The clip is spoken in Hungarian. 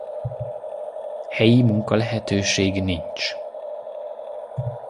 Helyi munkalehetőség nincs.